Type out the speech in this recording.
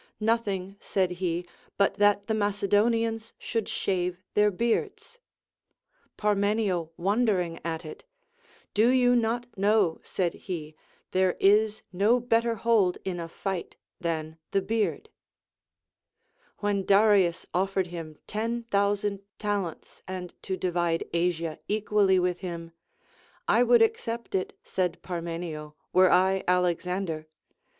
Nothing, said he, but that the Macedonians should shave their beards. Parmenio won dering at it, Do you not know, said he, there is no better hold in a fight than the beard I When Darius offered him ten thousand talents, and to divide Asia equally Avith him ; I would accept it, said Parmenio, were I Alexander.